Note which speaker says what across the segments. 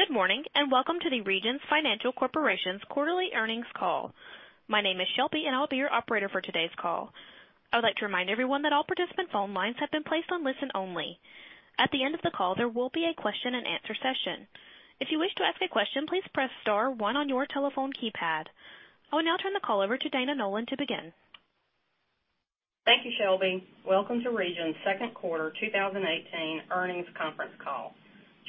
Speaker 1: Good morning, and welcome to the Regions Financial Corporation's quarterly earnings call. My name is Shelby, and I'll be your operator for today's call. I would like to remind everyone that all participant phone lines have been placed on listen only. At the end of the call, there will be a question and answer session. If you wish to ask a question, please press star one on your telephone keypad. I will now turn the call over to Dana Nolan to begin.
Speaker 2: Thank you, Shelby. Welcome to Regions' second quarter 2018 earnings conference call.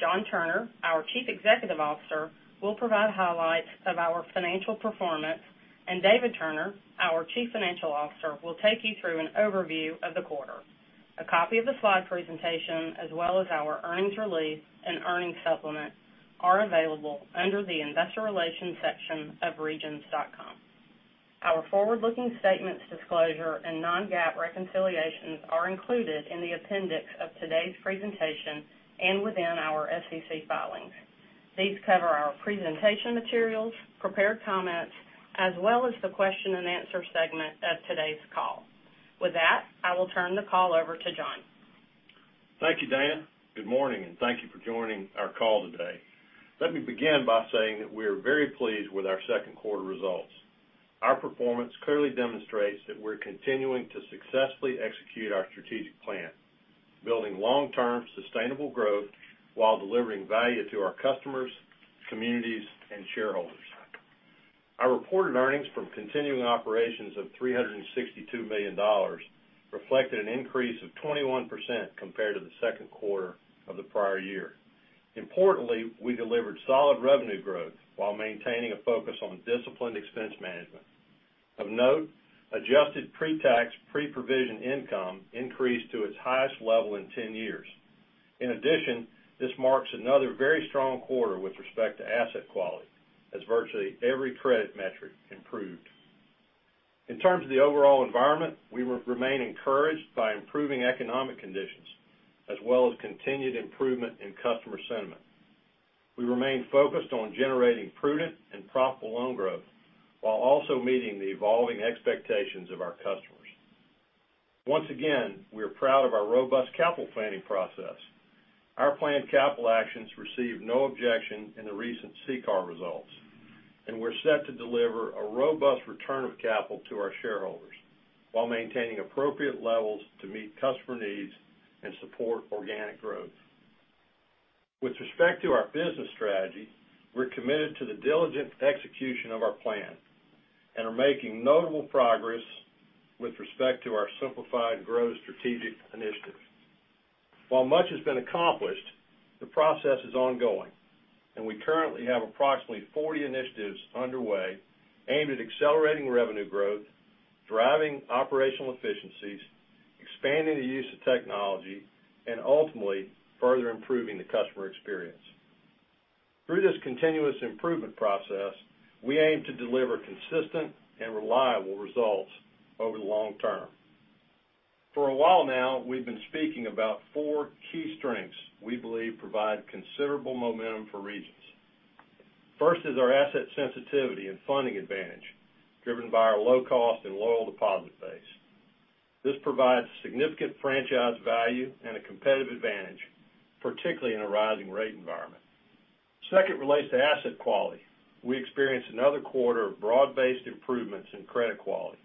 Speaker 2: John Turner, our Chief Executive Officer, will provide highlights of our financial performance, and David Turner, our Chief Financial Officer, will take you through an overview of the quarter. A copy of the slide presentation, as well as our earnings release and earnings supplement, are available under the investor relations section of regions.com. Our forward-looking statements disclosure and non-GAAP reconciliations are included in the appendix of today's presentation and within our SEC filings. These cover our presentation materials, prepared comments, as well as the question and answer segment of today's call. With that, I will turn the call over to John.
Speaker 3: Thank you, Dana. Good morning, and thank you for joining our call today. Let me begin by saying that we are very pleased with our second quarter results. Our performance clearly demonstrates that we're continuing to successfully execute our strategic plan, building long-term sustainable growth while delivering value to our customers, communities, and shareholders. Our reported earnings from continuing operations of $362 million reflected an increase of 21% compared to the second quarter of the prior year. Importantly, we delivered solid revenue growth while maintaining a focus on disciplined expense management. Of note, adjusted pre-tax, pre-provision income increased to its highest level in 10 years. In addition, this marks another very strong quarter with respect to asset quality, as virtually every credit metric improved. In terms of the overall environment, we remain encouraged by improving economic conditions as well as continued improvement in customer sentiment. We remain focused on generating prudent and profitable loan growth while also meeting the evolving expectations of our customers. Once again, we are proud of our robust capital planning process. Our planned capital actions received no objection in the recent CCAR results, and we're set to deliver a robust return of capital to our shareholders while maintaining appropriate levels to meet customer needs and support organic growth. With respect to our business strategy, we're committed to the diligent execution of our plan and are making notable progress with respect to our Simplify to Grow strategic initiative. While much has been accomplished, the process is ongoing, and we currently have approximately 40 initiatives underway aimed at accelerating revenue growth, driving operational efficiencies, expanding the use of technology, and ultimately further improving the customer experience. Through this continuous improvement process, we aim to deliver consistent and reliable results over the long term. For a while now, we've been speaking about four key strengths we believe provide considerable momentum for Regions. First is our asset sensitivity and funding advantage, driven by our low cost and loyal deposit base. This provides significant franchise value and a competitive advantage, particularly in a rising rate environment. Second relates to asset quality. We experienced another quarter of broad-based improvements in credit quality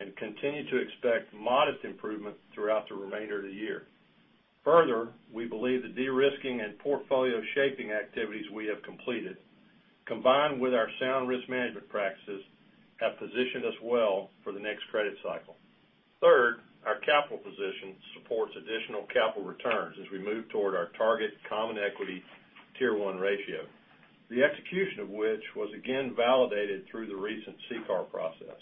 Speaker 3: and continue to expect modest improvement throughout the remainder of the year. Further, we believe the de-risking and portfolio shaping activities we have completed, combined with our sound risk management practices, have positioned us well for the next credit cycle. Third, our capital position supports additional capital returns as we move toward our target Common Equity Tier 1 ratio, the execution of which was again validated through the recent CCAR process.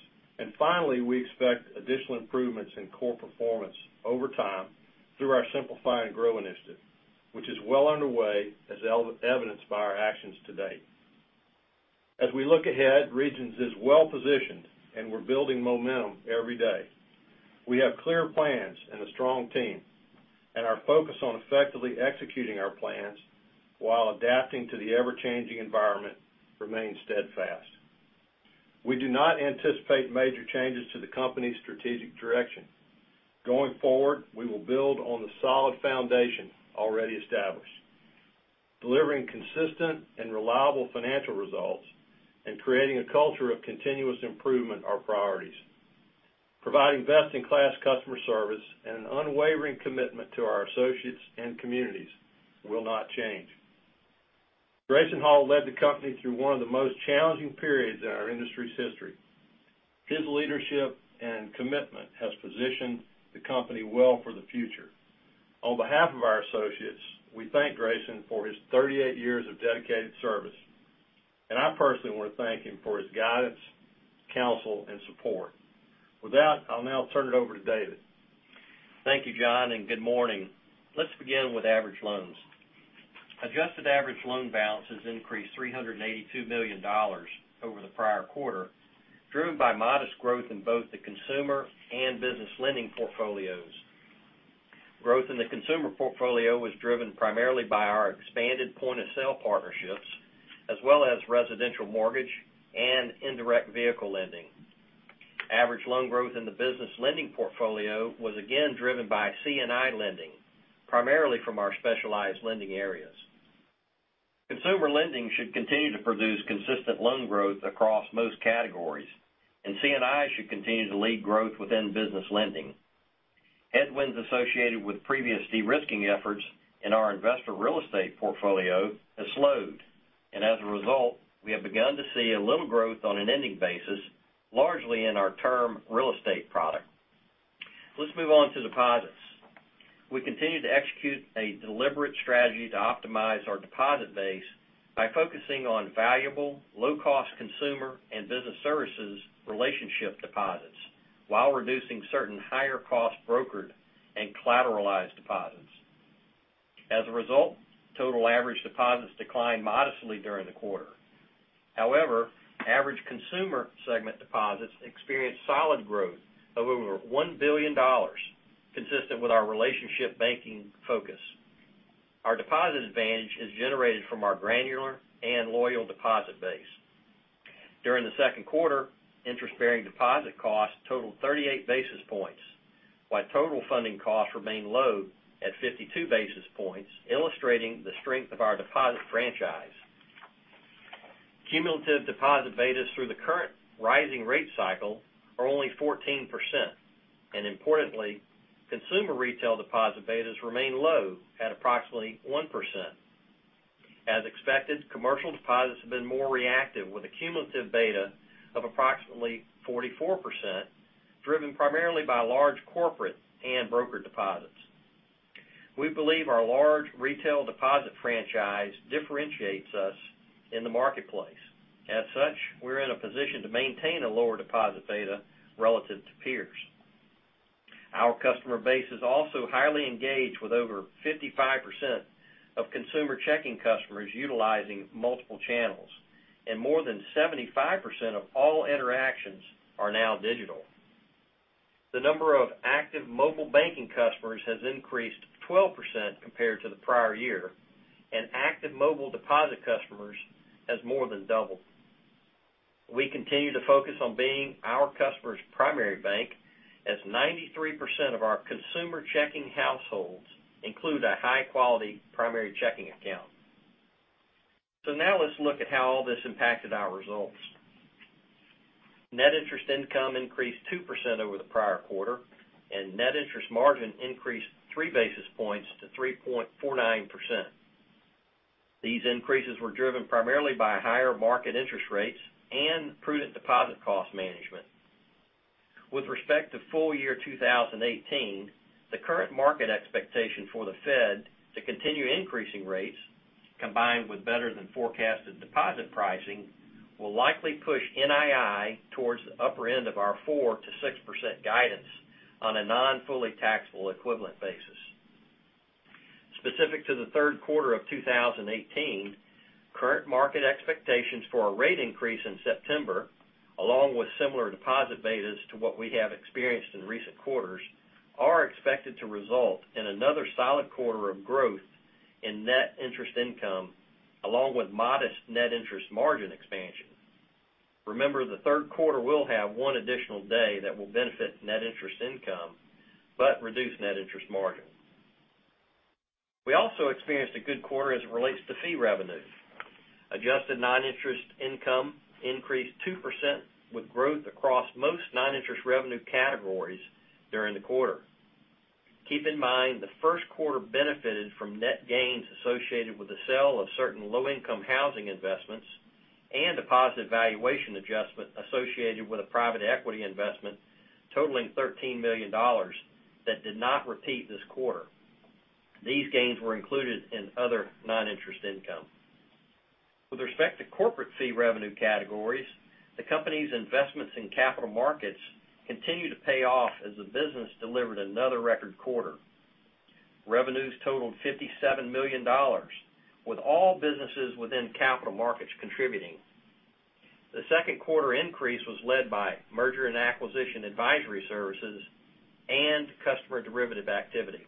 Speaker 3: Finally, we expect additional improvements in core performance over time through our Simplify and Grow initiative, which is well underway, as evidenced by our actions to date. As we look ahead, Regions is well positioned, and we're building momentum every day. We have clear plans and a strong team, and our focus on effectively executing our plans while adapting to the ever-changing environment remains steadfast. We do not anticipate major changes to the company's strategic direction. Going forward, we will build on the solid foundation already established. Delivering consistent and reliable financial results and creating a culture of continuous improvement are priorities. Providing best-in-class customer service and an unwavering commitment to our associates and communities will not change. Grayson Hall led the company through one of the most challenging periods in our industry's history. His leadership and commitment has positioned the company well for the future. On behalf of our associates, we thank Grayson for his 38 years of dedicated service, and I personally want to thank him for his guidance, counsel, and support. With that, I'll now turn it over to David.
Speaker 4: Thank you, John, good morning. Let's begin with average loans. Adjusted average loan balance has increased $382 million over the prior quarter, driven by modest growth in both the consumer and business lending portfolios. Growth in the consumer portfolio was driven primarily by our expanded point-of-sale partnerships, as well as residential mortgage and indirect vehicle lending. Average loan growth in the business lending portfolio was again driven by C&I lending, primarily from our specialized lending areas. Consumer lending should continue to produce consistent loan growth across most categories, and C&I should continue to lead growth within business lending. Headwinds associated with previous de-risking efforts in our investor real estate portfolio has slowed, and as a result, we have begun to see a little growth on an ending basis, largely in our term real estate product. Let's move on to deposits. We continue to execute a deliberate strategy to optimize our deposit base by focusing on valuable, low-cost consumer and business services relationship deposits while reducing certain higher-cost brokered and collateralized deposits. As a result, total average deposits declined modestly during the quarter. However, average consumer segment deposits experienced solid growth of over $1 billion, consistent with our relationship banking focus. Our deposit advantage is generated from our granular and loyal deposit base. During the second quarter, interest-bearing deposit costs totaled 38 basis points, while total funding costs remained low at 52 basis points, illustrating the strength of our deposit franchise. Cumulative deposit betas through the current rising rate cycle are only 14%, and importantly, consumer retail deposit betas remain low at approximately 1%. As expected, commercial deposits have been more reactive with a cumulative beta of approximately 44%, driven primarily by large corporate and broker deposits. We believe our large retail deposit franchise differentiates us in the marketplace. As such, we're in a position to maintain a lower deposit beta relative to peers. Our customer base is also highly engaged with over 55% of consumer checking customers utilizing multiple channels, and more than 75% of all interactions are now digital. The number of active mobile banking customers has increased 12% compared to the prior year, and active mobile deposit customers has more than doubled. We continue to focus on being our customers' primary bank as 93% of our consumer checking households include a high-quality primary checking account. Now let's look at how all this impacted our results. Net interest income increased 2% over the prior quarter, and net interest margin increased three basis points to 3.49%. These increases were driven primarily by higher market interest rates and prudent deposit cost management. With respect to full year 2018, the current market expectation for the Fed to continue increasing rates combined with better than forecasted deposit pricing will likely push NII towards the upper end of our 4%-6% guidance on a non-fully taxable equivalent basis. Specific to the third quarter of 2018, current market expectations for a rate increase in September, along with similar deposit betas to what we have experienced in recent quarters, are expected to result in another solid quarter of growth in net interest income, along with modest net interest margin expansion. Remember, the third quarter will have one additional day that will benefit net interest income but reduce net interest margin. We also experienced a good quarter as it relates to fee revenue. Adjusted non-interest income increased 2% with growth across most non-interest revenue categories during the quarter. Keep in mind the first quarter benefited from net gains associated with the sale of certain low-income housing investments and deposit valuation adjustment associated with a private equity investment totaling $13 million that did not repeat this quarter. These gains were included in other non-interest income. With respect to corporate fee revenue categories, the company's investments in capital markets continue to pay off as the business delivered another record quarter. Revenues totaled $57 million, with all businesses within capital markets contributing. The second quarter increase was led by merger and acquisition advisory services and customer derivative activity.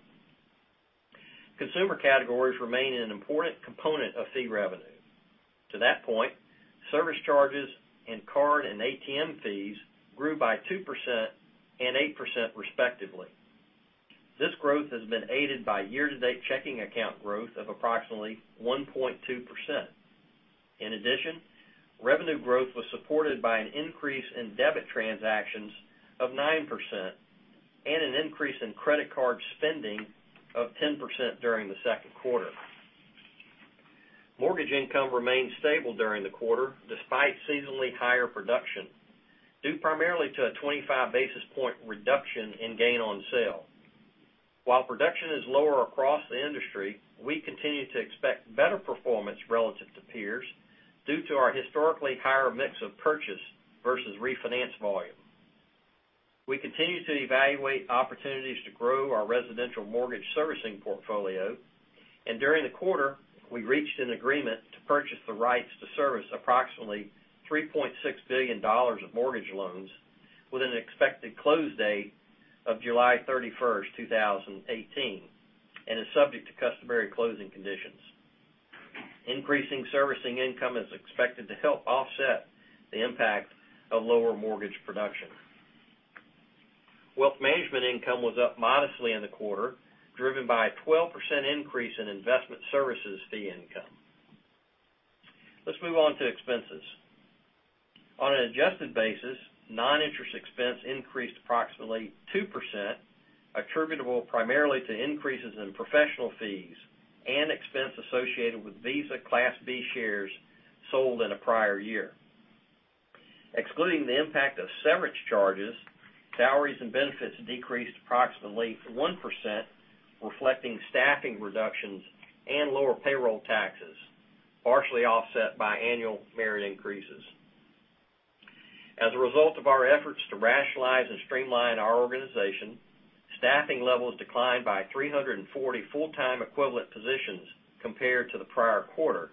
Speaker 4: Consumer categories remain an important component of fee revenue. To that point, service charges and card and ATM fees grew by 2% and 8% respectively. This growth has been aided by year-to-date checking account growth of approximately 1.2%. In addition, revenue growth was supported by an increase in debit transactions of 9% and an increase in credit card spending of 10% during the second quarter. Mortgage income remained stable during the quarter despite seasonally higher production, due primarily to a 25 basis point reduction in gain on sale. While production is lower across the industry, we continue to expect better performance relative to peers due to our historically higher mix of purchase versus refinance volume. We continue to evaluate opportunities to grow our residential mortgage servicing portfolio, and during the quarter, we reached an agreement to purchase the rights to service approximately $3.6 billion of mortgage loans with an expected close date of July 31st, 2018, and is subject to customary closing conditions. Increasing servicing income is expected to help offset the impact of lower mortgage production. Wealth management income was up modestly in the quarter, driven by a 12% increase in investment services fee income. Let's move on to expenses. On an adjusted basis, non-interest expense increased approximately 2%, attributable primarily to increases in professional fees and expense associated with Visa Class B shares sold in a prior year. Excluding the impact of severance charges, salaries and benefits decreased approximately 1%, reflecting staffing reductions and lower payroll taxes, partially offset by annual merit increases. As a result of our efforts to rationalize and streamline our organization, staffing levels declined by 340 full-time equivalent positions compared to the prior quarter,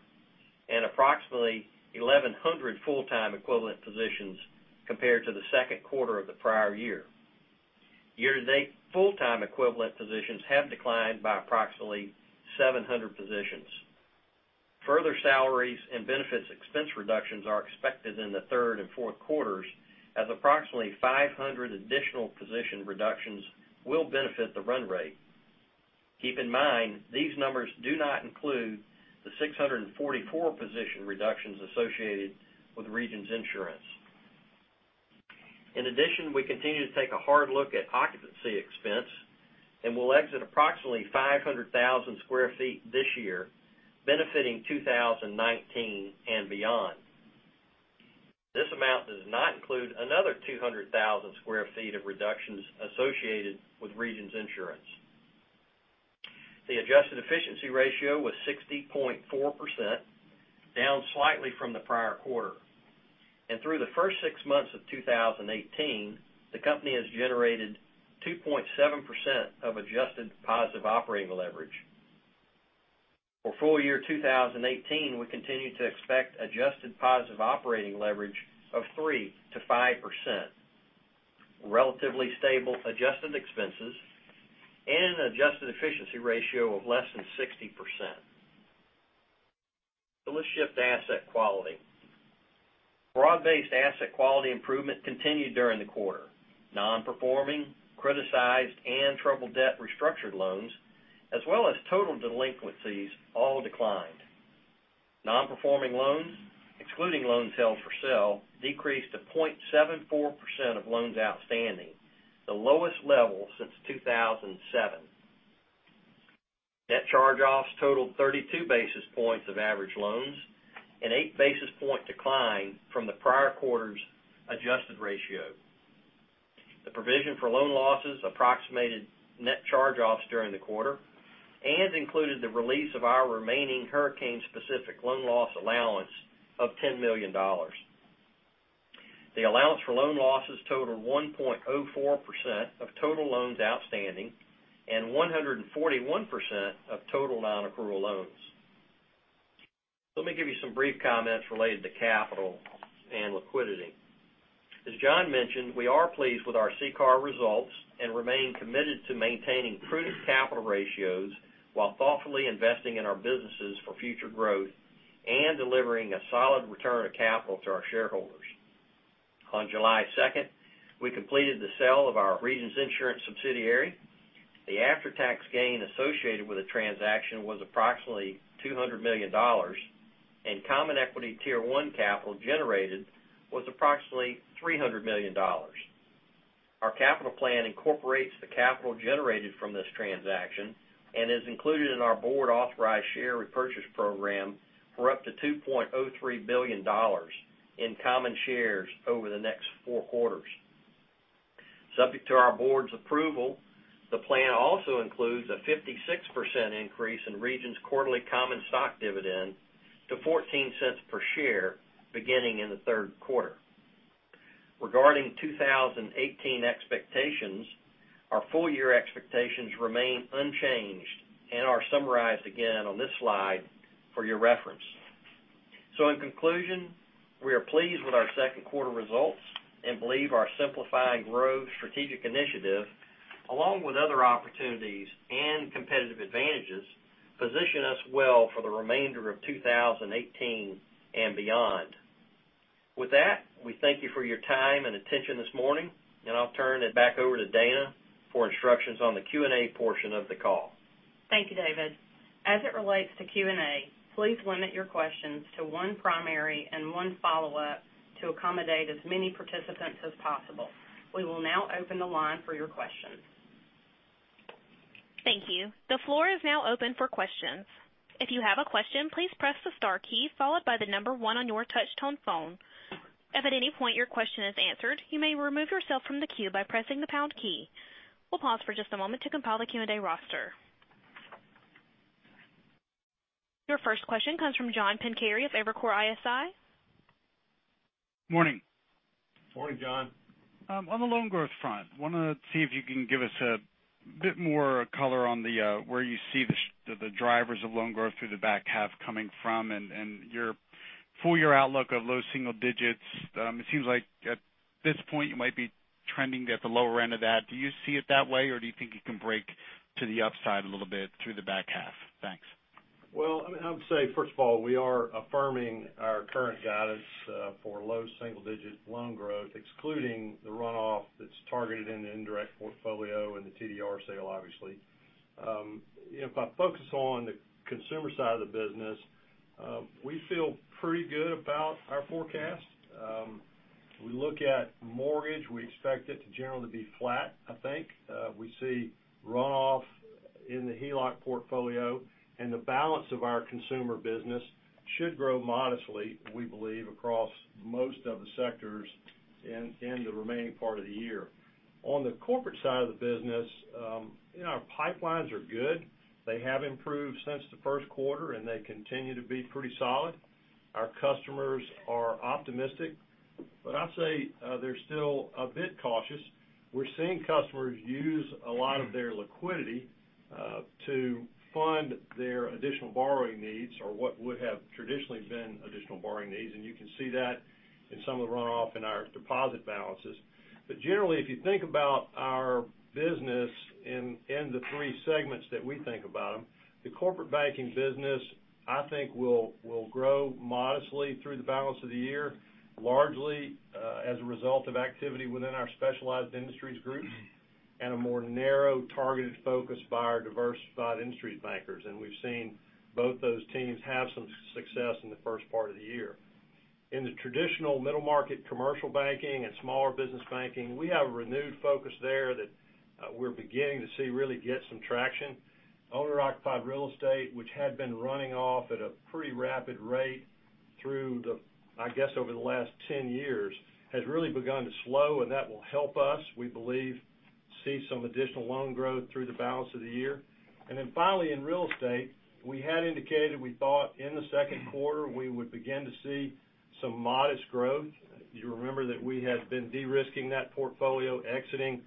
Speaker 4: and approximately 1,100 full-time equivalent positions compared to the second quarter of the prior year. Year-to-date full-time equivalent positions have declined by approximately 700 positions. Further salaries and benefits expense reductions are expected in the third and fourth quarters as approximately 500 additional position reductions will benefit the run rate. Keep in mind, these numbers do not include the 644 position reductions associated with Regions Insurance. In addition, we continue to take a hard look at occupancy expense and will exit approximately 500,000 sq ft this year, benefiting 2019 and beyond. This amount does not include another 200,000 sq ft of reductions associated with Regions Insurance. The adjusted efficiency ratio was 60.4%, down slightly from the prior quarter. And through the first six months of 2018, the company has generated 2.7% of adjusted positive operating leverage. For full year 2018, we continue to expect adjusted positive operating leverage of 3%-5%, relatively stable adjusted expenses, and an adjusted efficiency ratio of less than 60%. Let's shift to asset quality. Broad-based asset quality improvement continued during the quarter. Non-performing, criticized, and troubled debt restructured loans, as well as total delinquencies, all declined. Non-performing loans, excluding loans held for sale, decreased to 0.74% of loans outstanding, the lowest level since 2007. Net charge-offs totaled 32 basis points of average loans, an eight basis point decline from the prior quarter's adjusted ratio. The provision for loan losses approximated net charge-offs during the quarter and included the release of our remaining hurricane-specific loan loss allowance of $10 million. The allowance for loan losses totaled 1.04% of total loans outstanding and 141% of total non-accrual loans. Let me give you some brief comments related to capital and liquidity. As John mentioned, we are pleased with our CCAR results and remain committed to maintaining prudent capital ratios while thoughtfully investing in our businesses for future growth and delivering a solid return of capital to our shareholders. On July 2nd, we completed the sale of our Regions Insurance subsidiary. The after-tax gain associated with the transaction was approximately $200 million, and Common Equity Tier 1 capital generated was approximately $300 million. Our capital plan incorporates the capital generated from this transaction and is included in our board-authorized share repurchase program for up to $2.03 billion in common shares over the next four quarters. Subject to our board's approval, the plan also includes a 56% increase in Regions' quarterly common stock dividend to $0.14 per share beginning in the third quarter. Regarding 2018 expectations, our full-year expectations remain unchanged and are summarized again on this slide for your reference. In conclusion, we are pleased with our second quarter results and believe our Simplify and Grow strategic initiative, along with other opportunities and competitive advantages, position us well for the remainder of 2018 and beyond. With that, we thank you for your time and attention this morning, and I'll turn it back over to Dana for instructions on the Q&A portion of the call.
Speaker 2: Thank you, David. As it relates to Q&A, please limit your questions to one primary and one follow-up to accommodate as many participants as possible. We will now open the line for your questions.
Speaker 1: Thank you. The floor is now open for questions. If you have a question, please press the star key, followed by the number 1 on your touch-tone phone. If at any point your question is answered, you may remove yourself from the queue by pressing the pound key. We'll pause for just a moment to compile the Q&A roster. Your first question comes from John Pancari of Evercore ISI.
Speaker 5: Morning.
Speaker 4: Morning, John.
Speaker 5: On the loan growth front, want to see if you can give us a bit more color on where you see the drivers of loan growth through the back half coming from and your full year outlook of low single digits. It seems like at this point, you might be trending at the lower end of that. Do you see it that way, or do you think it can break to the upside a little bit through the back half? Thanks.
Speaker 3: Well, I would say, first of all, we are affirming our current guidance for low single-digit loan growth, excluding the runoff that's targeted in the indirect portfolio and the TDR sale, obviously. If I focus on the consumer side of the business, we feel pretty good about our forecast. We look at mortgage. We expect it to generally be flat, I think. We see runoff in the HELOC portfolio, and the balance of our consumer business should grow modestly, we believe, across most of the sectors in the remaining part of the year. On the corporate side of the business, our pipelines are good. They have improved since the first quarter, and they continue to be pretty solid. Our customers are optimistic, but I'd say they're still a bit cautious. We're seeing customers use a lot of their liquidity to fund their additional borrowing needs or what would have traditionally been additional borrowing needs. You can see that in some of the runoff in our deposit balances. Generally, if you think about our business in the three segments that we think about them, the corporate banking business, I think will grow modestly through the balance of the year, largely as a result of activity within our specialized industries groups and a more narrow, targeted focus by our diversified industries bankers. We've seen both those teams have some success in the first part of the year. In the traditional middle market, commercial banking and smaller business banking, we have a renewed focus there that we're beginning to see really get some traction. Owner-occupied real estate, which had been running off at a pretty rapid rate through the, I guess, over the last 10 years, has really begun to slow, and that will help us, we believe, see some additional loan growth through the balance of the year. Finally, in real estate, we had indicated we thought in the second quarter we would begin to see some modest growth. You remember that we had been de-risking that portfolio, exiting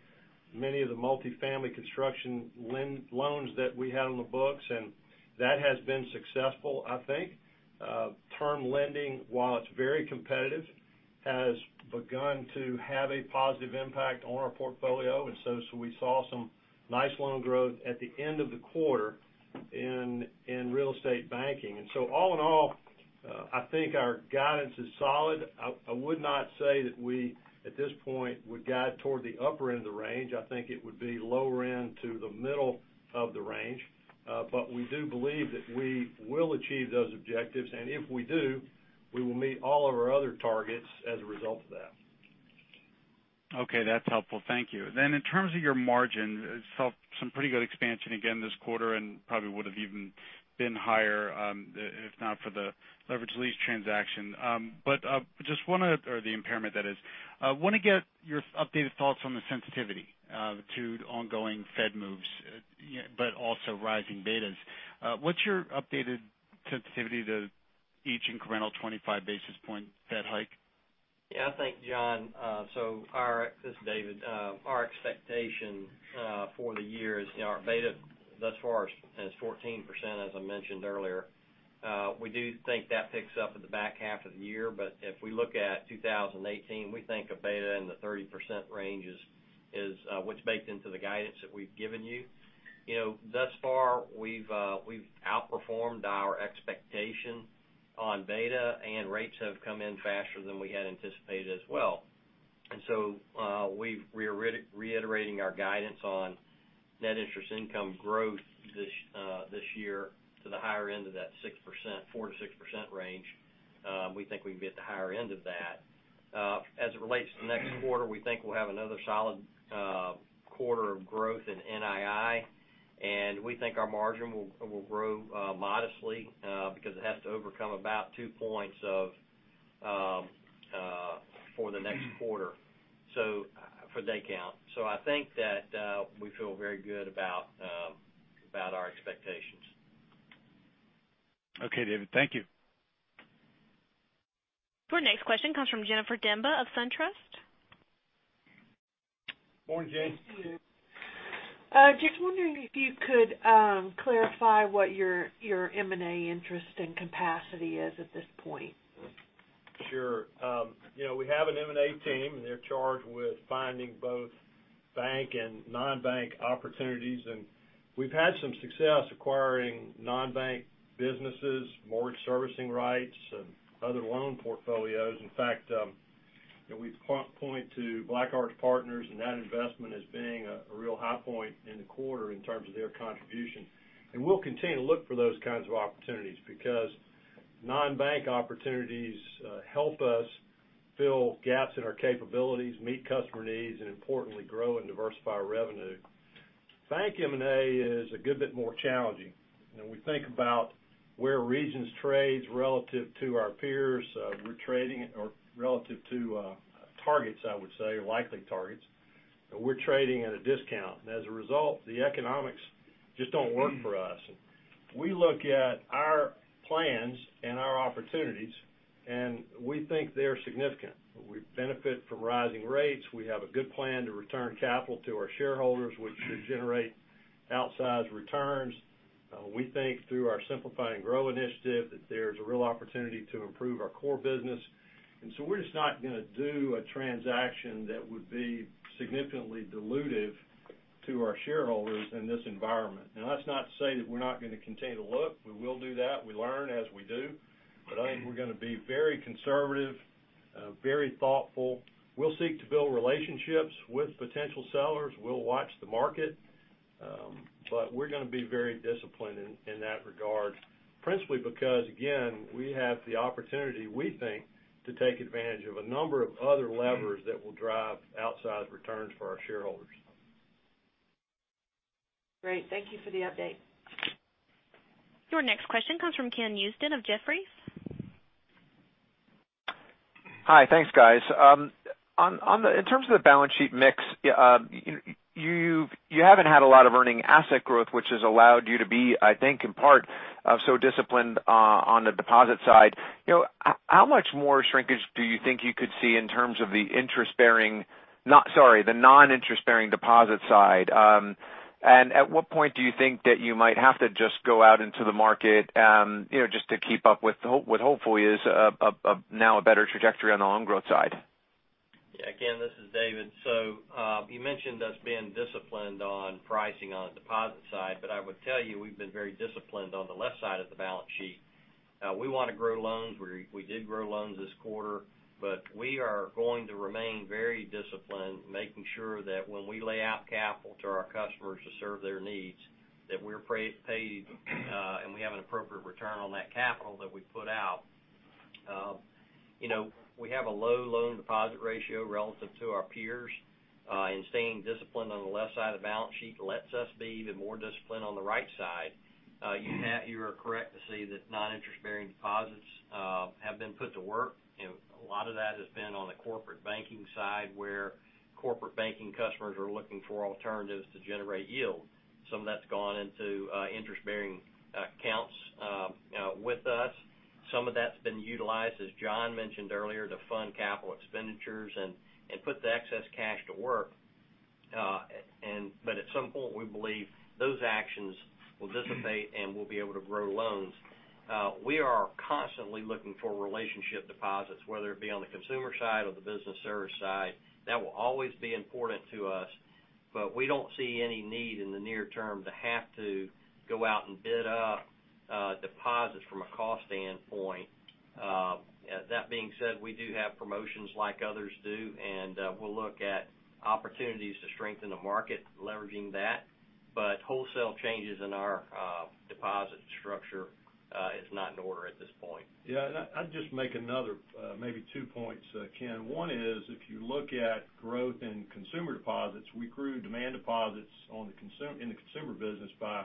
Speaker 3: many of the multifamily construction loans that we had on the books, and that has been successful, I think. Term lending, while it's very competitive, has begun to have a positive impact on our portfolio. We saw some nice loan growth at the end of the quarter in real estate banking. All in all, I think our guidance is solid. I would not say that we, at this point, would guide toward the upper end of the range. I think it would be lower end to the middle of the range. We do believe that we will achieve those objectives, and if we do, we will meet all of our other targets as a result of that.
Speaker 5: Okay, that's helpful. Thank you. In terms of your margin, saw some pretty good expansion again this quarter and probably would have even been higher if not for the leveraged lease transaction. Or the impairment, that is. I want to get your updated thoughts on the sensitivity to ongoing Fed moves, but also rising betas. What's your updated sensitivity to each incremental 25 basis point Fed hike?
Speaker 4: Yeah, thanks, John. This is David. Our expectation for the year is our beta thus far is 14%, as I mentioned earlier. We do think that picks up at the back half of the year, but if we look at 2018, we think a beta in the 30% range is what's baked into the guidance that we've given you. Thus far, we've outperformed our expectation on beta, and rates have come in faster than we had anticipated as well. We're reiterating our guidance on net interest income growth this year to the higher end of that 4%-6% range. We think we can be at the higher end of that. As it relates to the next quarter, we think we'll have another solid quarter of growth in NII, and we think our margin will grow modestly because it has to overcome about two points for the next quarter for day count. I think that we feel very good about our expectations.
Speaker 5: Okay, David. Thank you.
Speaker 1: Our next question comes from Jennifer Demba of SunTrust.
Speaker 3: Morning, Jen.
Speaker 6: Thank you. Just wondering if you could clarify what your M&A interest and capacity is at this point.
Speaker 3: Sure. We have an M&A team, they're charged with finding both bank and non-bank opportunities, we've had some success acquiring non-bank businesses, mortgage servicing rights, and other loan portfolios. In fact, we point to BlackArch Partners and that investment as being a real high point in the quarter in terms of their contribution. We'll continue to look for those kinds of opportunities because non-bank opportunities help us fill gaps in our capabilities, meet customer needs, and importantly, grow and diversify revenue. Bank M&A is a good bit more challenging. We think about where Regions trades relative to our peers. We're trading relative to targets, I would say, or likely targets. We're trading at a discount, as a result, the economics just don't work for us. We look at our plans and our opportunities, and we think they're significant. We benefit from rising rates. We have a good plan to return capital to our shareholders, which should generate outsized returns. We think through our Simplify and Grow initiative that there's a real opportunity to improve our core business. We're just not going to do a transaction that would be significantly dilutive to our shareholders in this environment. That's not to say that we're not going to continue to look. We will do that. We learn as we do. I think we're going to be very conservative, very thoughtful. We'll seek to build relationships with potential sellers. We'll watch the market. We're going to be very disciplined in that regard, principally because, again, we have the opportunity, we think, to take advantage of a number of other levers that will drive outsized returns for our shareholders.
Speaker 6: Great. Thank you for the update.
Speaker 1: Your next question comes from Ken Usdin of Jefferies.
Speaker 7: Hi. Thanks, guys. In terms of the balance sheet mix, you haven't had a lot of earning asset growth, which has allowed you to be, I think, in part, so disciplined on the deposit side. How much more shrinkage do you think you could see in terms of the non-interest-bearing deposit side? At what point do you think that you might have to just go out into the market just to keep up with what hopefully is now a better trajectory on the loan growth side?
Speaker 4: Yeah, Ken, this is David. You mentioned us being disciplined on pricing on the deposit side, I would tell you, we've been very disciplined on the left side of the balance sheet. We want to grow loans. We did grow loans this quarter, we are going to remain very disciplined, making sure that when we lay out capital to our customers to serve their needs, that we're paid and we have an appropriate return on that capital that we put out. We have a low loan deposit ratio relative to our peers, staying disciplined on the left side of the balance sheet lets us be even more disciplined on the right side.
Speaker 3: You are correct to say that non-interest-bearing deposits have been put to work, a lot of that has been on the corporate banking side, where corporate banking customers are looking for alternatives to generate yield. Some of that's gone into interest-bearing accounts with us. Some of that's been utilized, as John mentioned earlier, to fund capital expenditures and put the excess cash to work. At some point, we believe those actions will dissipate, and we'll be able to grow loans. We are constantly looking for relationship deposits, whether it be on the consumer side or the business service side. That will always be important to us, but we don't see any need in the near term to have to go out and bid up deposits from a cost standpoint. That being said, we do have promotions like others do. We'll look at opportunities to strengthen the market leveraging that. Wholesale changes in our deposit structure is not in order at this point. I'd just make another maybe two points, Ken. One is, if you look at growth in consumer deposits, we grew demand deposits in the consumer business by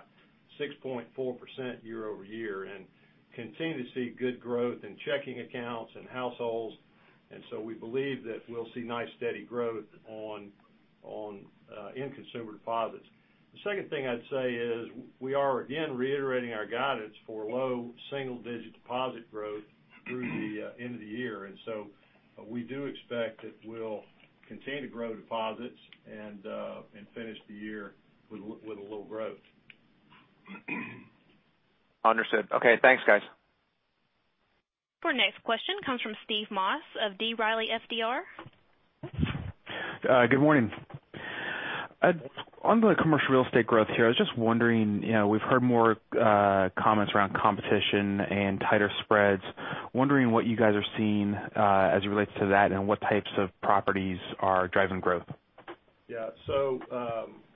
Speaker 3: 6.4% year-over-year and continue to see good growth in checking accounts and households. We believe that we'll see nice, steady growth in consumer deposits. The second thing I'd say is we are, again, reiterating our guidance for low single-digit deposit growth through the end of the year. We do expect that we'll continue to grow deposits and finish the year with a little growth.
Speaker 7: Understood. Okay. Thanks, guys.
Speaker 1: Our next question comes from Stephen Moss of B. Riley FBR.
Speaker 8: Good morning. On the commercial real estate growth here, I was just wondering, we've heard more comments around competition and tighter spreads. Wondering what you guys are seeing as it relates to that and what types of properties are driving growth.
Speaker 3: Yeah.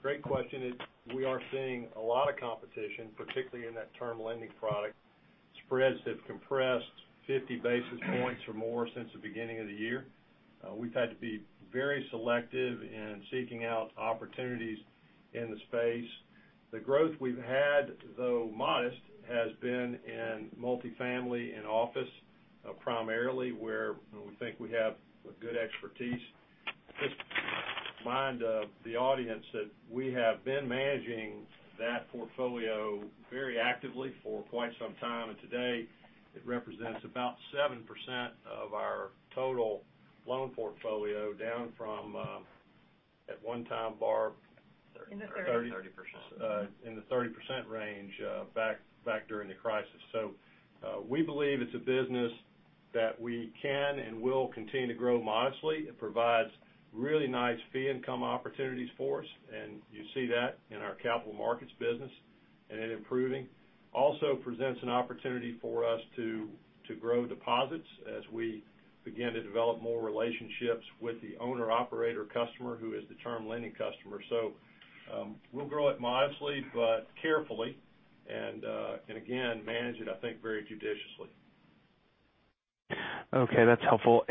Speaker 3: Great question. We are seeing a lot of competition, particularly in that term lending product. Spreads have compressed 50 basis points or more since the beginning of the year. We've had to be very selective in seeking out opportunities in the space. The growth we've had, though modest, has been in multifamily and office, primarily where we think we have a good expertise. Just remind the audience that we have been managing that portfolio very actively for quite some time, and today it represents about 7% of our total loan portfolio, down from at one time, Barb-
Speaker 9: In the 30s.
Speaker 3: 30%. In the 30% range back during the crisis. We believe it's a business that we can and will continue to grow modestly. It provides really nice fee income opportunities for us, and you see that in our capital markets business and it improving. Also presents an opportunity for us to grow deposits as we begin to develop more relationships with the owner/operator customer who is the term lending customer. We'll grow it modestly but carefully and, again, manage it, I think, very judiciously.
Speaker 8: Okay, that's helpful.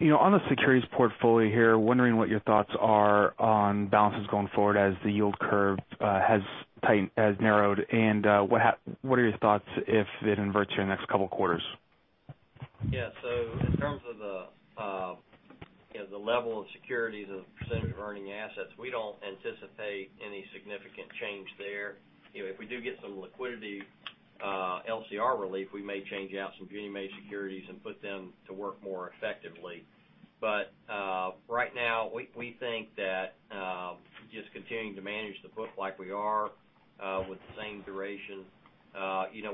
Speaker 8: On the securities portfolio here, wondering what your thoughts are on balances going forward as the yield curve has narrowed, and what are your thoughts if it inverts here in the next couple of quarters?
Speaker 4: Yeah. In terms of the level of securities as a percentage of earning assets, we don't anticipate any significant change there. If we do get some liquidity LCR relief, we may change out some Ginnie Mae securities and put them to work more effectively. Right now, we think that just continuing to manage the book like we are with the same duration.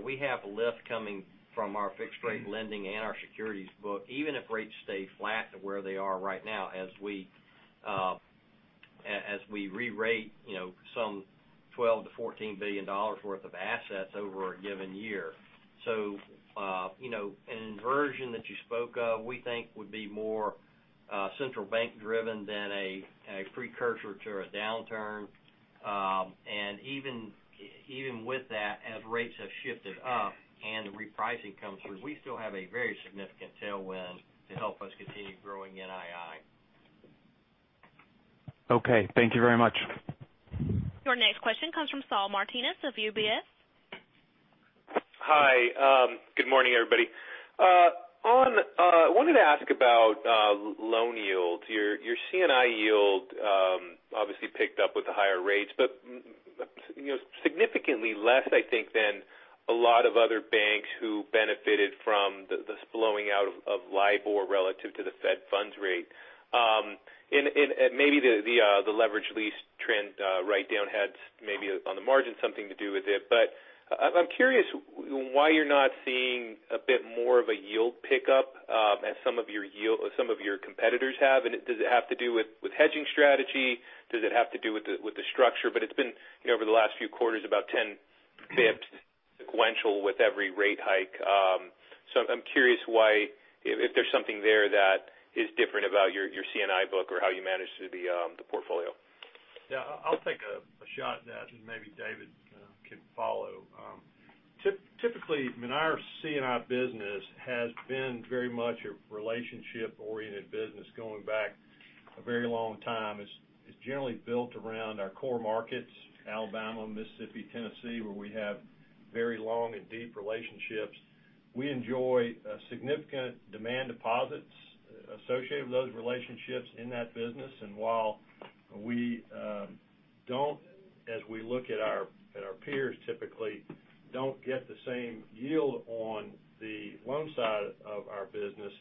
Speaker 4: We have lift coming from our fixed-rate lending and our securities book, even if rates stay flat to where they are right now, as we re-rate some $12 billion-$14 billion worth of assets over a given year. An inversion that you spoke of, we think would be more central bank-driven than a precursor to a downturn. Even with that, as rates have shifted up and the repricing comes through, we still have a very significant tailwind to help us continue growing NII.
Speaker 8: Okay. Thank you very much.
Speaker 1: Your next question comes from Saul Martinez of UBS.
Speaker 10: Hi. Good morning, everybody. I wanted to ask about loan yields. Your C&I yield obviously picked up with the higher rates, but significantly less, I think, than a lot of other banks who benefited from the slowing out of LIBOR relative to the Fed funds rate. Maybe the leveraged lease trend write-down had maybe on the margin something to do with it. I'm curious why you're not seeing a bit more of a yield pickup as some of your competitors have. Does it have to do with hedging strategy? Does it have to do with the structure? It's been over the last few quarters about 10 basis points sequential with every rate hike. I'm curious why, if there's something there that is different about your C&I book or how you manage the portfolio.
Speaker 3: Yeah, I'll take a shot at that, and maybe David can follow. Typically, our C&I business has been very much a relationship-oriented business going back a very long time. It's generally built around our core markets, Alabama, Mississippi, Tennessee, where we have very long and deep relationships. We enjoy significant demand deposits associated with those relationships in that business. while we don't, as we look at our peers, typically don't get the same yield on the loan side of our business,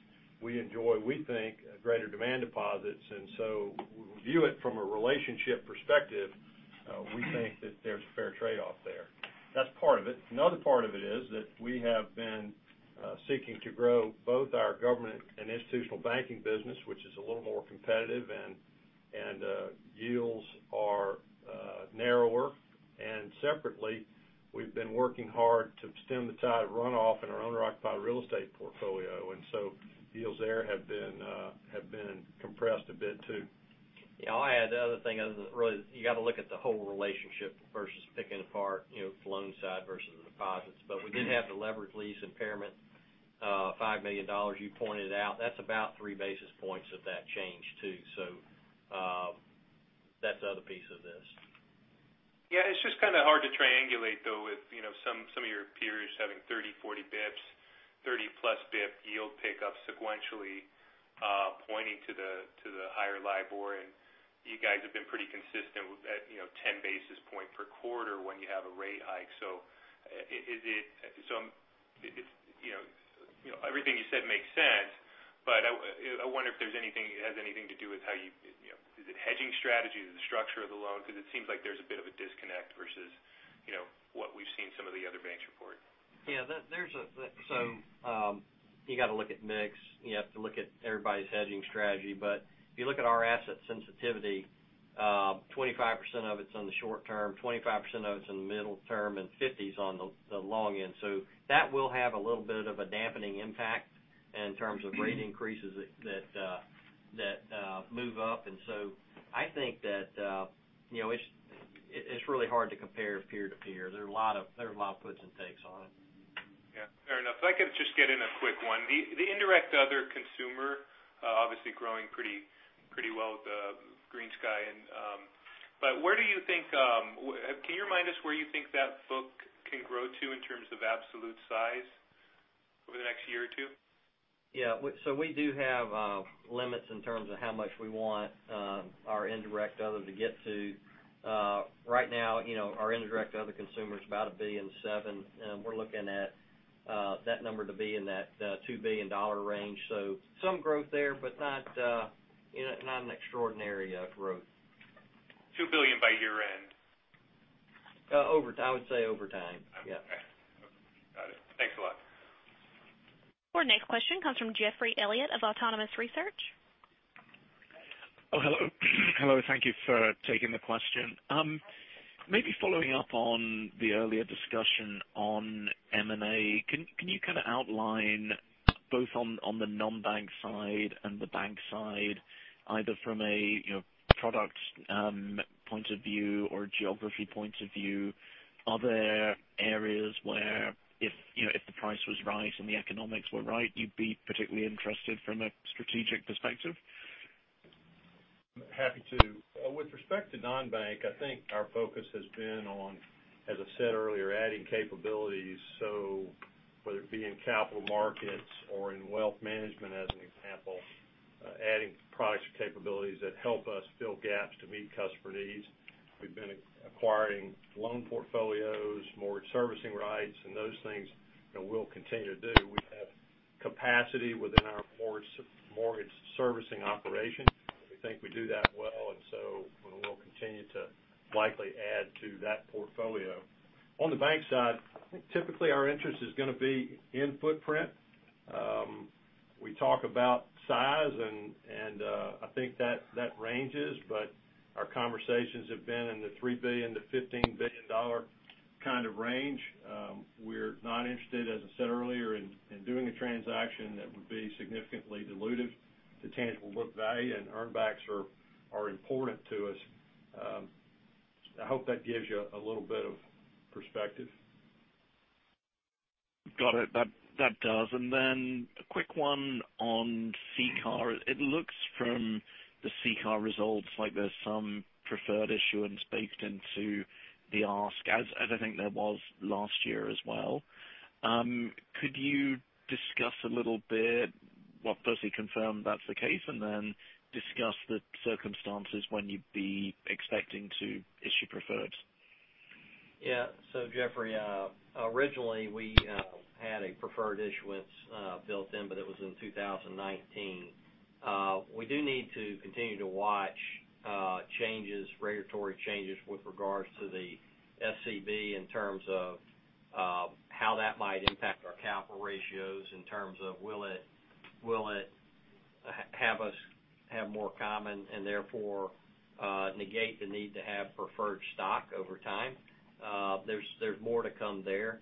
Speaker 3: we enjoy, we think, greater demand deposits. we view it from a relationship perspective. We think that there's a fair trade-off there. That's part of it. Another part of it is that we have been seeking to grow both our government and institutional banking business, which is a little more competitive and yields are narrower. Separately, we've been working hard to stem the tide of runoff in our owner-occupied real estate portfolio, and so yields there have been compressed a bit, too.
Speaker 4: Yeah, I'll add the other thing is that really you got to look at the whole relationship versus picking apart the loan side versus the deposits. we did have the leverage lease impairment, $5 million you pointed out. That's about three basis points of that change, too. that's the other piece of this.
Speaker 10: Yeah, it's just kind of hard to triangulate, though, with some of your peers having 30, 40 basis points, 30-plus basis point yield pickup sequentially pointing to the higher LIBOR. you guys have been pretty consistent with that 10 basis point per quarter when you have a rate hike. everything you said makes sense, but I wonder if it has anything to do with how you. Is it hedging strategy? Is it the structure of the loan? Because it seems like there's a bit of a disconnect versus what we've seen some of the other banks report.
Speaker 4: You got to look at mix. You have to look at everybody's hedging strategy. If you look at our asset sensitivity, 25% of it's on the short term, 25% of it's in the middle term, and 50% is on the long end. That will have a little bit of a dampening impact in terms of rate increases that move up. I think that it's really hard to compare peer to peer. There are a lot of puts and takes on it.
Speaker 10: Yeah, fair enough. If I could just get in a quick one. The indirect other consumer, obviously growing pretty well with GreenSky. Can you remind us where you think that book can grow to in terms of absolute size over the next year or two?
Speaker 4: We do have limits in terms of how much we want our indirect other to get to. Right now, our indirect other consumer is about $1.7 billion, and we're looking at that number to be in that $2 billion range. Some growth there, but not an extraordinary growth.
Speaker 10: $2 billion by year-end.
Speaker 4: I would say over time. Yeah.
Speaker 10: Okay. Got it. Thanks a lot.
Speaker 1: Our next question comes from Geoffrey Elliott of Autonomous Research.
Speaker 11: Oh, hello. Hello, thank you for taking the question. Maybe following up on the earlier discussion on M&A, can you kind of outline both on the non-bank side and the bank side, either from a product point of view or geography point of view, are there areas where if the price was right and the economics were right you'd be particularly interested from a strategic perspective?
Speaker 3: Happy to. With respect to non-bank, I think our focus has been on, as I said earlier, adding capabilities. Whether it be in capital markets or in wealth management, as an example, adding products or capabilities that help us fill gaps to meet customer needs. We've been acquiring loan portfolios, mortgage servicing rights, and those things we'll continue to do. We have capacity within our mortgage servicing operation, and we think we do that well, we'll continue to likely add to that portfolio. On the bank side, I think typically our interest is going to be in footprint. We talk about size, and I think that ranges, but our conversations have been in the $3 billion-$15 billion kind of range. We're not interested, as I said earlier, in doing a transaction that would be significantly dilutive to tangible book value, earnbacks are important to us. I hope that gives you a little bit of perspective.
Speaker 11: Got it. That does. Then a quick one on CCAR. It looks from the CCAR results like there's some preferred issuance baked into the ask, as I think there was last year as well. Could you discuss a little bit, well, firstly confirm that's the case, and then discuss the circumstances when you'd be expecting to issue preferred?
Speaker 4: Yeah. Geoffrey, originally we had a preferred issuance built in, it was in 2019. We do need to continue to watch regulatory changes with regards to the SCB in terms of how that might impact our capital ratios, in terms of will it have us have more common and therefore negate the need to have preferred stock over time. There's more to come there.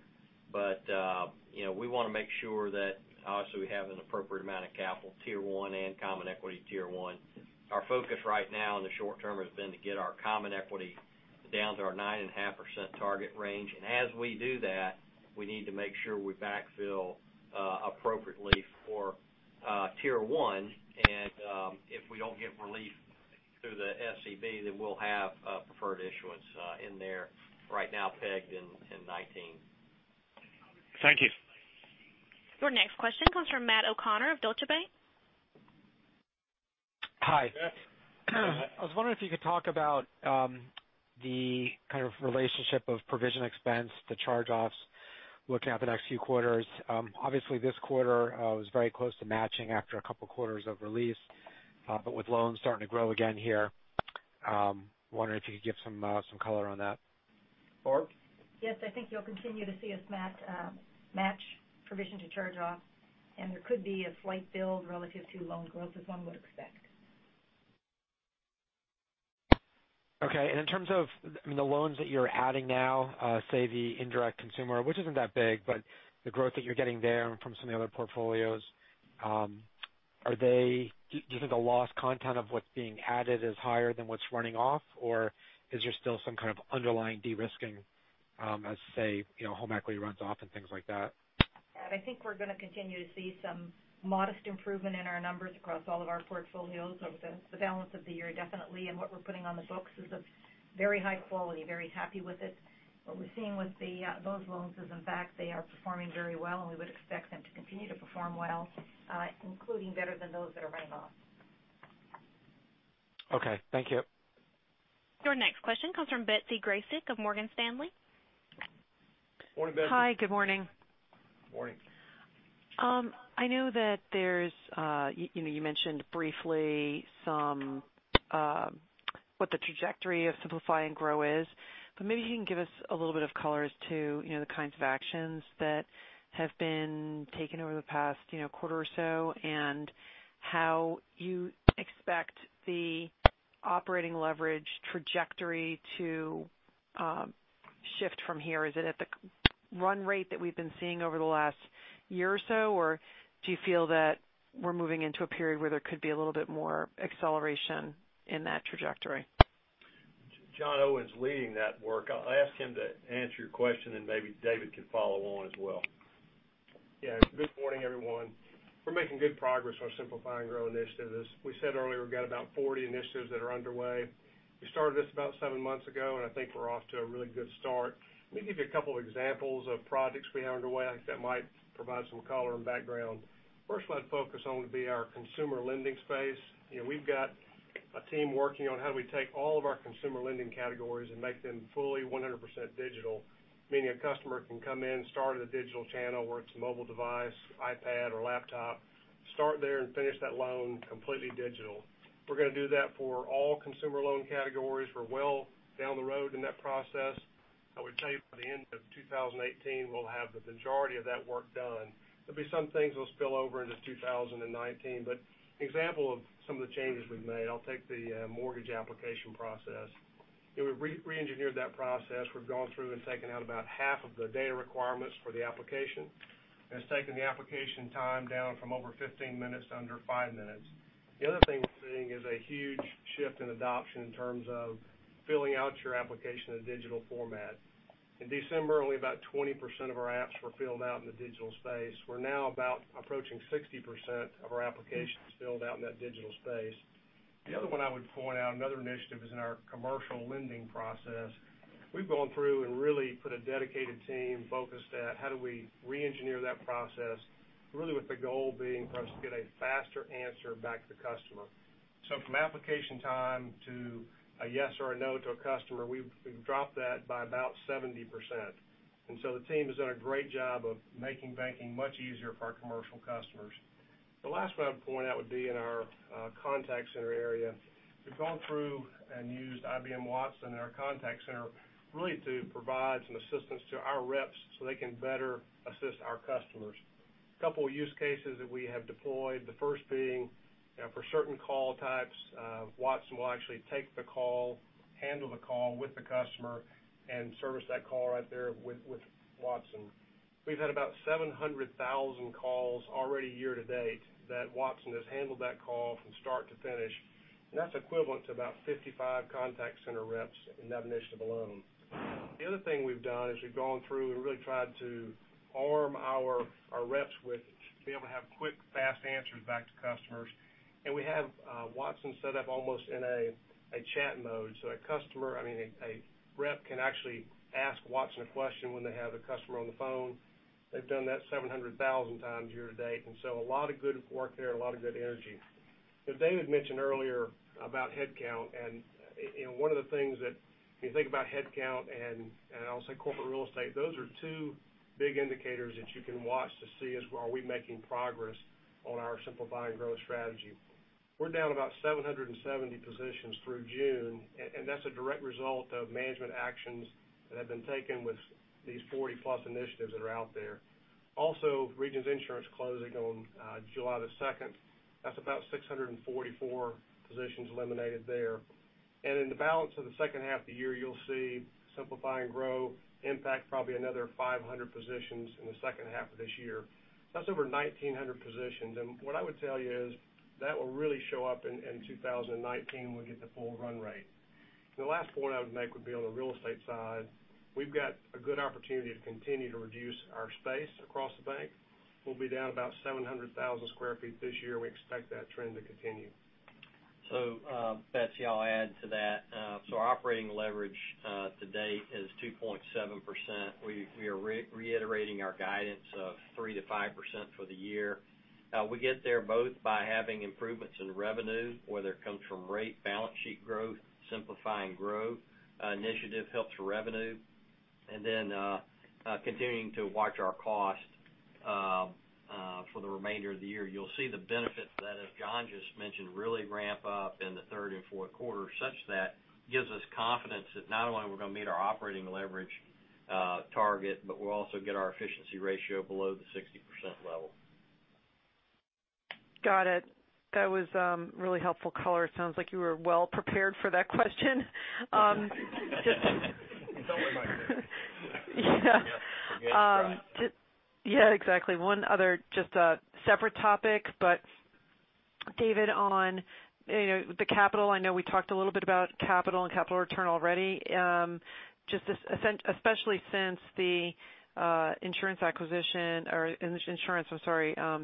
Speaker 4: We want to make sure that, obviously, we have an appropriate amount of capital, Tier 1 and Common Equity Tier 1. Our focus right now in the short term has been to get our common equity down to our 9.5% target range. As we do that, we need to make sure we backfill appropriately for Tier 1. If we don't get relief through the SCB, we'll have a preferred issuance in there right now pegged in 2019.
Speaker 11: Thank you.
Speaker 1: Your next question comes from Matthew O'Connor of Deutsche Bank.
Speaker 12: Hi.
Speaker 3: Matt. I was wondering if you could talk about the kind of relationship of provision expense to charge-offs looking at the next few quarters. Obviously, this quarter was very close to matching after a couple of quarters of release. With loans starting to grow again here, wondering if you could give some color on that. Barb?
Speaker 9: Yes, I think you'll continue to see us match provision to charge-offs, there could be a slight build relative to loan growth as one would expect.
Speaker 12: Okay. In terms of the loans that you're adding now, say the indirect consumer, which isn't that big, but the growth that you're getting there and from some of the other portfolios, do you think the loss content of what's being added is higher than what's running off? Or is there still some kind of underlying de-risking as, say, home equity runs off and things like that?
Speaker 9: Matt, I think we're going to continue to see some modest improvement in our numbers across all of our portfolios over the balance of the year, definitely. What we're putting on the books is of very high quality, very happy with it. What we're seeing with those loans is, in fact, they are performing very well, and we would expect them to continue to perform well including better than those that are running off.
Speaker 12: Okay, thank you.
Speaker 1: Your next question comes from Betsy Graseck of Morgan Stanley.
Speaker 3: Morning, Betsy.
Speaker 13: Hi, good morning.
Speaker 3: Morning.
Speaker 13: I know that you mentioned briefly what the trajectory of Simplify and Grow is, but maybe you can give us a little bit of color as to the kinds of actions that have been taken over the past quarter or so and how you expect the operating leverage trajectory to shift from here. Is it at the run rate that we've been seeing over the last year or so, or do you feel that we're moving into a period where there could be a little bit more acceleration in that trajectory?
Speaker 3: John Owen is leading that work. I'll ask him to answer your question, and maybe David can follow on as well.
Speaker 14: Yeah. Good morning, everyone. We're making good progress on our Simplify and Grow initiative. As we said earlier, we've got about 40 initiatives that are underway. We started this about seven months ago, and I think we're off to a really good start. Let me give you a couple of examples of projects we have underway. I think that might provide some color and background. First, I'd focus on would be our consumer lending space. We've got a team working on how do we take all of our consumer lending categories and make them fully 100% digital, meaning a customer can come in, start at a digital channel, whether it's a mobile device, iPad, or laptop, start there and finish that loan completely digital. We're going to do that for all consumer loan categories. We're well down the road in that process. I would tell you by the end of 2018, we'll have the majority of that work done. There'll be some things that will spill over into 2019. An example of some of the changes we've made, I'll take the mortgage application process. We reengineered that process. We've gone through and taken out about half of the data requirements for the application, and it's taken the application time down from over 15 minutes to under five minutes. The other thing we're seeing is a huge shift in adoption in terms of filling out your application in a digital format. In December, only about 20% of our apps were filled out in the digital space. We're now about approaching 60% of our applications filled out in that digital space. The other one I would point out, another initiative is in our commercial lending process. We've gone through and really put a dedicated team focused at how do we re-engineer that process, really with the goal being for us to get a faster answer back to the customer. From application time to a yes or a no to a customer, we've dropped that by about 70%. The team has done a great job of making banking much easier for our commercial customers. The last one I would point out would be in our contact center area. We've gone through and used IBM Watson in our contact center really to provide some assistance to our reps so they can better assist our customers. A couple use cases that we have deployed, the first being for certain call types, Watson will actually take the call, handle the call with the customer, and service that call right there with Watson. We've had about 700,000 calls already year to date that Watson has handled that call from start to finish, and that's equivalent to about 55 contact center reps in that initiative alone. The other thing we've done is we've gone through and really tried to arm our reps with, to be able to have quick, fast answers back to customers. We have Watson set up almost in a chat mode. A rep can actually ask Watson a question when they have a customer on the phone. They've done that 700,000 times year to date, a lot of good work there, a lot of good energy. As David mentioned earlier about headcount, and one of the things that when you think about headcount and also corporate real estate, those are two big indicators that you can watch to see are we making progress on our Simplify and Grow strategy. We're down about 770 positions through June, and that's a direct result of management actions that have been taken with these 40 plus initiatives that are out there. Also, Regions Insurance closing on July 2nd. That's about 644 positions eliminated there. In the balance of the second half of the year, you'll see Simplify and Grow impact probably another 500 positions in the second half of this year. That's over 1,900 positions. What I would tell you is that will really show up in 2019 when we get the full run rate. The last point I would make would be on the real estate side. We've got a good opportunity to continue to reduce our space across the bank. We'll be down about 700,000 sq ft this year. We expect that trend to continue.
Speaker 4: Betsy, I'll add to that. Our operating leverage to date is 2.7%. We are reiterating our guidance of 3%-5% for the year. We get there both by having improvements in revenue, whether it comes from rate, balance sheet growth, Simplify and Grow initiative helps revenue, and then continuing to watch our cost for the remainder of the year. You'll see the benefits of that, as John just mentioned, really ramp up in the third and fourth quarter such that gives us confidence that not only are we going to meet our operating leverage target, but we'll also get our efficiency ratio below the 60% level.
Speaker 13: Got it. That was really helpful color. It sounds like you were well prepared for that question.
Speaker 14: Don't remind me.
Speaker 13: Yeah.
Speaker 4: We made the prep.
Speaker 13: Yeah, exactly. One other just separate topic, David, on the capital, I know we talked a little bit about capital and capital return already. Especially since the insurance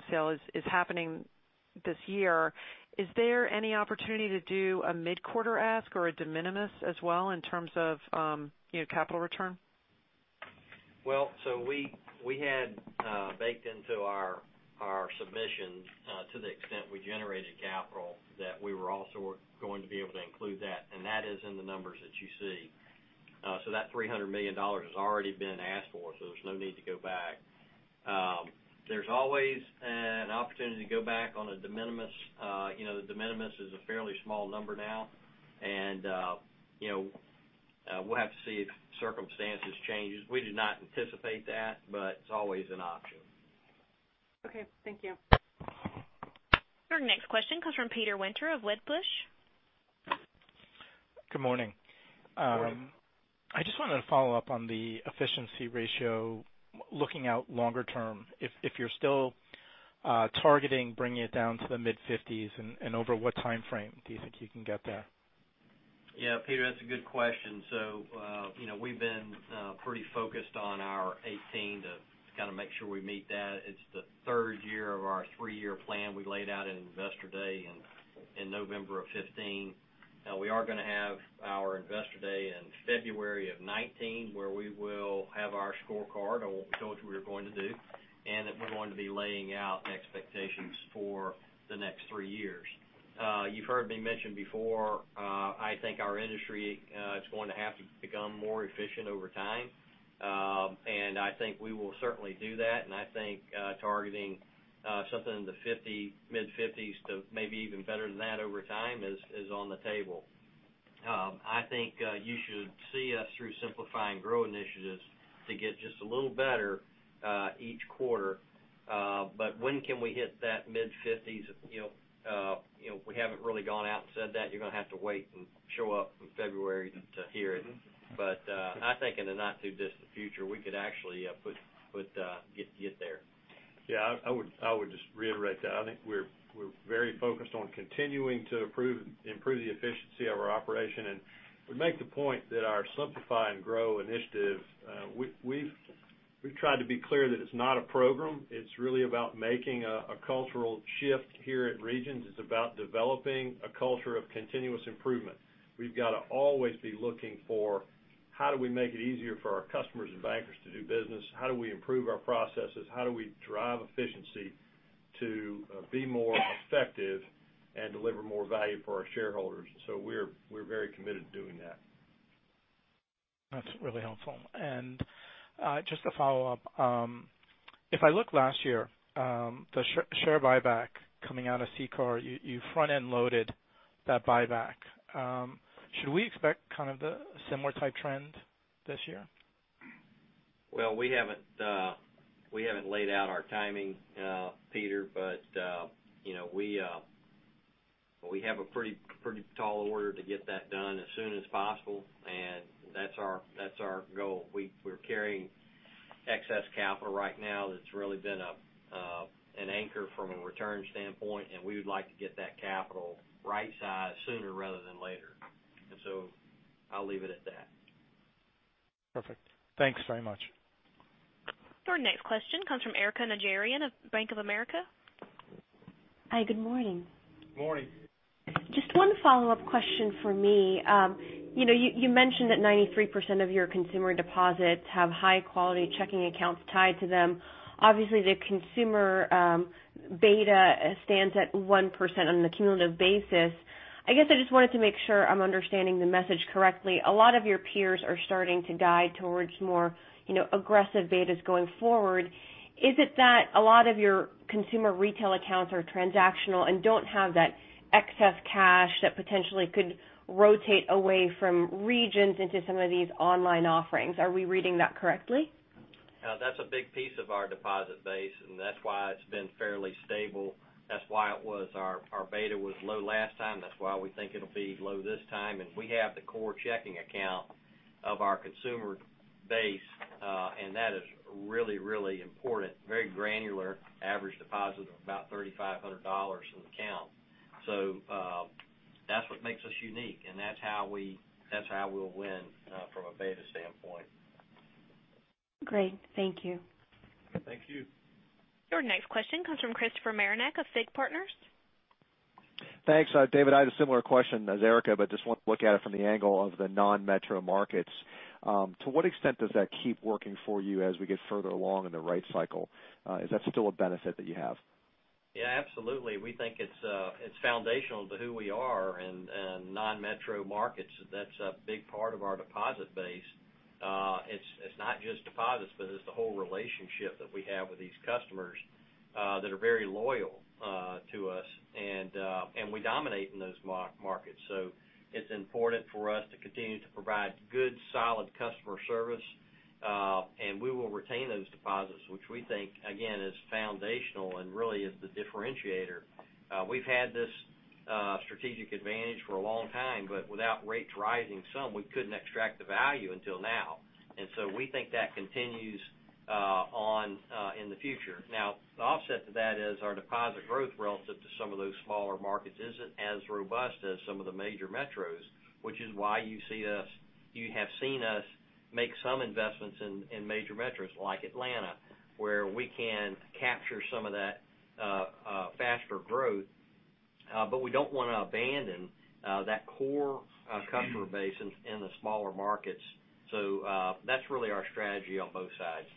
Speaker 13: sale is happening this year, is there any opportunity to do a mid-quarter ask or a de minimis as well in terms of capital return?
Speaker 4: Well, we had baked into our submissions to the extent we generated capital that we were also going to be able to include that, and that is in the numbers that you see. That $300 million has already been asked for, there's no need to go back. There's always an opportunity to go back on a de minimis. The de minimis is a fairly small number now, and we'll have to see if circumstances change. We do not anticipate that, but it's always an option.
Speaker 13: Okay. Thank you.
Speaker 1: Your next question comes from Peter Winter of Wedbush.
Speaker 15: Good morning.
Speaker 4: Good morning.
Speaker 15: I just wanted to follow up on the efficiency ratio looking out longer term, if you're still targeting bringing it down to the mid-50s and over what timeframe do you think you can get there?
Speaker 4: Peter, that's a good question. We've been pretty focused on our 2018 to kind of make sure we meet that. It's the third year of our three-year plan we laid out in Investor Day in November of 2015. We are going to have our Investor Day in February of 2019, where we will have our scorecard of what we told you we were going to do, and that we're going to be laying out expectations for the next three years. You've heard me mention before I think our industry is going to have to become more efficient over time. I think we will certainly do that. I think targeting something in the mid-50s to maybe even better than that over time is on the table. I think you should see us through Simplify and Grow initiatives to get just a little better each quarter. When can we hit that mid-50s? We haven't really gone out and said that. You're going to have to wait and show up in February to hear it. I think in the not too distant future, we could actually get there.
Speaker 3: Yeah, I would just reiterate that. I think we're very focused on continuing to improve the efficiency of our operation. Would make the point that our Simplify and Grow initiative, we've tried to be clear that it's not a program. It's really about making a cultural shift here at Regions. It's about developing a culture of continuous improvement. We've got to always be looking for how do we make it easier for our customers and bankers to do business? How do we improve our processes? How do we drive efficiency to be more effective and deliver more value for our shareholders? We're very committed to doing that.
Speaker 15: That's really helpful. Just to follow up, if I look last year, the share buyback coming out of CCAR, you front-end loaded that buyback. Should we expect kind of the similar type trend this year?
Speaker 4: Well, we haven't laid out our timing, Peter, we have a pretty tall order to get that done as soon as possible, that's our goal. We're carrying excess capital right now that's really been an anchor from a return standpoint, and we would like to get that capital right-sized sooner rather than later. I'll leave it at that.
Speaker 15: Perfect. Thanks very much.
Speaker 1: Your next question comes from Erika Najarian of Bank of America.
Speaker 16: Hi, good morning.
Speaker 4: Morning.
Speaker 16: Just one follow-up question from me. You mentioned that 93% of your consumer deposits have high-quality checking accounts tied to them. Obviously, the consumer beta stands at 1% on the cumulative basis. I guess I just wanted to make sure I'm understanding the message correctly. A lot of your peers are starting to guide towards more aggressive betas going forward. Is it that a lot of your consumer retail accounts are transactional and don't have that excess cash that potentially could rotate away from Regions into some of these online offerings? Are we reading that correctly?
Speaker 4: That's a big piece of our deposit base, and that's why it's been fairly stable. That's why it was our beta was low last time. That's why we think it'll be low this time. We have the core checking account of our consumer base, and that is really important, very granular, average deposit of about $3,500 an account. That's what makes us unique, and that's how we'll win from a beta standpoint.
Speaker 16: Great. Thank you.
Speaker 4: Thank you.
Speaker 1: Your next question comes from Christopher Marinac of FIG Partners.
Speaker 17: Thanks. David, I have a similar question as Erika, but just want to look at it from the angle of the non-metro markets. To what extent does that keep working for you as we get further along in the rate cycle? Is that still a benefit that you have?
Speaker 4: Yeah, absolutely. We think it's foundational to who we are in non-metro markets. That's a big part of our deposit base. It's not just deposits, but it's the whole relationship that we have with these customers that are very loyal to us and we dominate in those markets. It's important for us to continue to provide good, solid customer service. We will retain those deposits, which we think, again, is foundational and really is the differentiator. We've had this strategic advantage for a long time, but without rates rising some, we couldn't extract the value until now. We think that continues on in the future. The offset to that is our deposit growth relative to some of those smaller markets isn't as robust as some of the major metros, which is why you have seen us make some investments in major metros like Atlanta, where we can capture some of that faster growth. We don't want to abandon that core customer base in the smaller markets. That's really our strategy on both sides.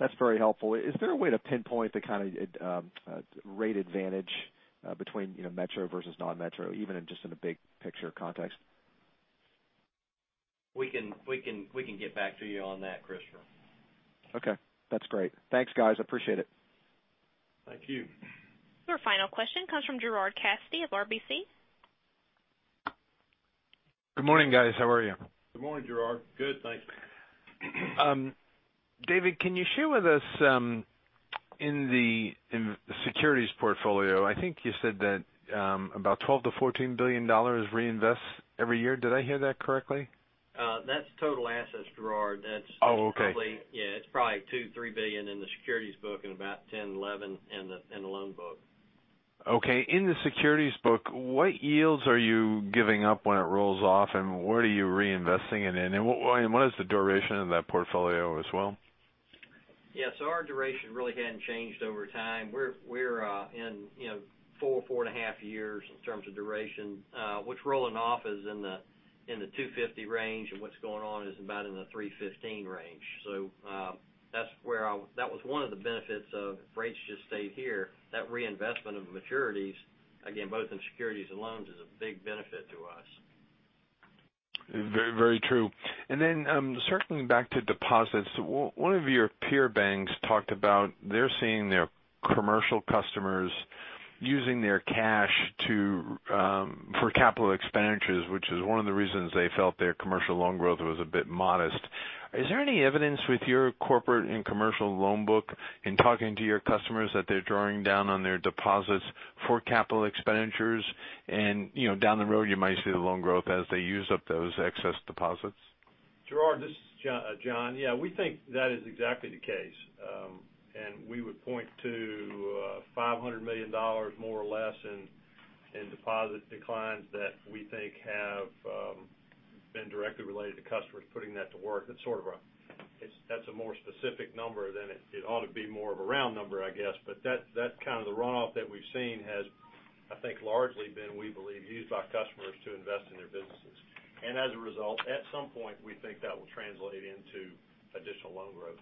Speaker 17: That's very helpful. Is there a way to pinpoint the kind of rate advantage between metro versus non-metro, even in just in a big picture context?
Speaker 4: We can get back to you on that, Christopher.
Speaker 17: Okay, that's great. Thanks, guys, appreciate it.
Speaker 4: Thank you.
Speaker 1: Your final question comes from Gerard Cassidy of RBC.
Speaker 18: Good morning, guys. How are you?
Speaker 4: Good morning, Gerard. Good, thanks.
Speaker 18: David, can you share with us in the securities portfolio, I think you said that about $12 billion-$14 billion reinvest every year. Did I hear that correctly?
Speaker 4: That's total assets, Gerard.
Speaker 18: Oh, okay
Speaker 4: yeah, it's probably $2 billion-$3 billion in the securities book and about $10, $11 in the loan book.
Speaker 18: Okay, in the securities book, what yields are you giving up when it rolls off, and what are you reinvesting it in? What is the duration of that portfolio as well?
Speaker 4: Yeah. Our duration really hadn't changed over time. We're in four and a half years in terms of duration. What's rolling off is in the 250 range, and what's going on is about in the 315 range. That was one of the benefits of rates just stayed here. That reinvestment of maturities, again, both in securities and loans, is a big benefit to us.
Speaker 18: Very true. Then circling back to deposits, one of your peer banks talked about they're seeing their commercial customers using their cash for capital expenditures, which is one of the reasons they felt their commercial loan growth was a bit modest. Is there any evidence with your corporate and commercial loan book in talking to your customers that they're drawing down on their deposits for capital expenditures, and down the road you might see the loan growth as they use up those excess deposits?
Speaker 3: Gerard, this is John. Yeah, we think that is exactly the case. We would point to $500 million, more or less in In deposit declines that we think have been directly related to customers putting that to work. That's a more specific number than it ought to be more of a round number, I guess. That kind of the runoff that we've seen has, I think, largely been, we believe, used by customers to invest in their businesses. As a result, at some point, we think that will translate into additional loan growth.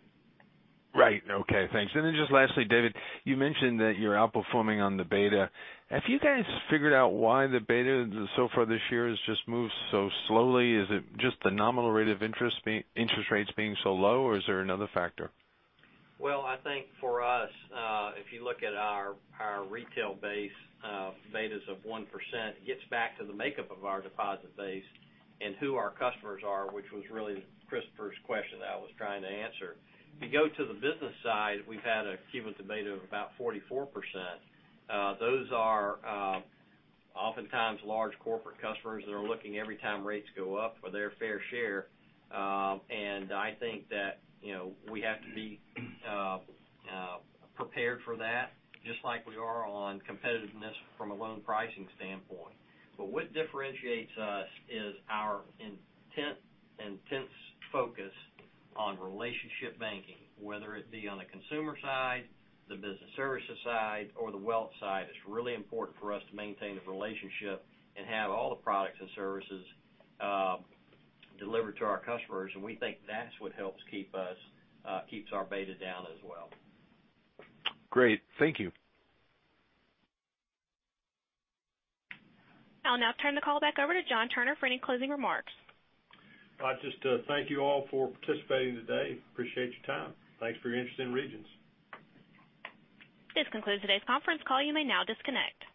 Speaker 18: Right. Okay, thanks. Just lastly, David, you mentioned that you're outperforming on the beta. Have you guys figured out why the beta so far this year has just moved so slowly? Is it just the nominal rate of interest rates being so low, or is there another factor?
Speaker 4: Well, I think for us, if you look at our retail base, betas of 1% gets back to the makeup of our deposit base and who our customers are, which was really Christopher's question that I was trying to answer. If you go to the business side, we've had a cumulative beta of about 44%. Those are oftentimes large corporate customers that are looking every time rates go up for their fair share. I think that we have to be prepared for that, just like we are on competitiveness from a loan pricing standpoint. What differentiates us is our intense focus on relationship banking, whether it be on the consumer side, the business services side, or the wealth side. It's really important for us to maintain the relationship and have all the products and services delivered to our customers. We think that's what helps keeps our beta down as well.
Speaker 18: Great. Thank you.
Speaker 1: I'll now turn the call back over to John Turner for any closing remarks.
Speaker 3: I just thank you all for participating today. Appreciate your time. Thanks for your interest in Regions.
Speaker 1: This concludes today's conference call. You may now disconnect.